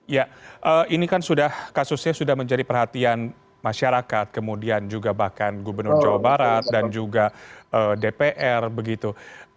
ya ini kan sudah kasusnya sudah menjadi perhatian masyarakat kemudian juga bahkan gubernur jawa barat dan juga dpr begitu